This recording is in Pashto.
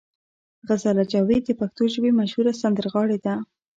غزاله جاوید د پښتو ژبې مشهوره سندرغاړې ده.